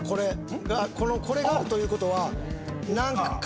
これがあるということは。